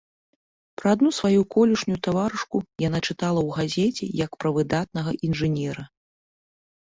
Пра адну сваю колішнюю таварышку яна чытала ў газеце як пра выдатнага інжынера.